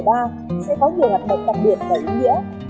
đa sẽ có nhiều hoạt động đặc biệt và ý nghĩa